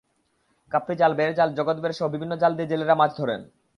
কাপড়ি জাল, বেড় জাল, জগৎবেড়সহ বিভিন্ন জাল দিয়ে জেলেরা মাছ ধরেন।